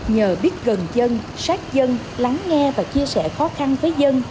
nhờ biết gần dân sát dân lắng nghe và chia sẻ khó khăn với dân